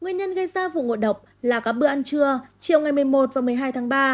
nguyên nhân gây ra vụ ngộ độc là các bữa ăn trưa chiều ngày một mươi một và một mươi hai tháng ba